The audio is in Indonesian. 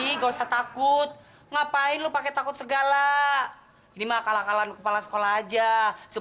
tergolong eating bahwa botak boketek begitu dumpling akan di youtube botak boketek jo discount